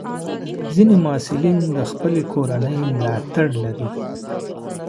ځینې محصلین د خپلې کورنۍ ملاتړ لري.